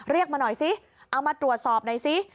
มาหน่อยสิเอามาตรวจสอบหน่อยสิ